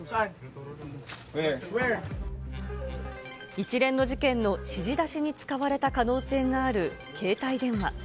一連の事件の指示出しに使われた可能性がある携帯電話。